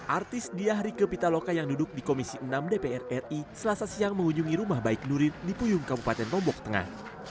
artis diah rike pitaloka yang duduk di komisi enam dpr ri selasa siang mengunjungi rumah baik nuril di puyung kabupaten lombok tengah